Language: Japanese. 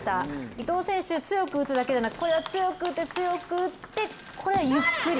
伊藤選手、強く打つだけじゃなくて強く打って強く打って、これゆっくり。